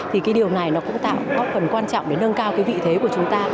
thì cái điều này nó cũng tạo góp phần quan trọng để nâng cao cái vị thế của chúng ta